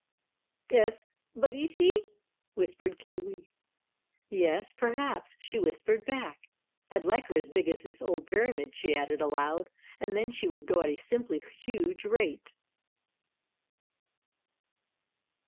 "'Es, but IS she?" whispered Kiddiwee. "Yes perhaps," she whispered back. "I'd like her as big as this old Pyramid," she added, aloud. "And then she would go at a simply huge rate!"